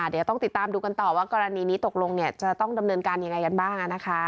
เดี๋ยวต้องติดตามดูกันต่อว่ากรณีนี้ตกลงจะต้องดำเนินการยังไงกันบ้าง